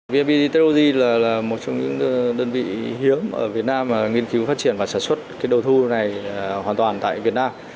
vnpt togy là một trong những đơn vị hiếm ở việt nam nghiên cứu phát triển và sản xuất đầu thu này hoàn toàn tại việt nam